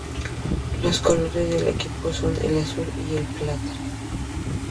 Los colores del equipo son el azul y el plata.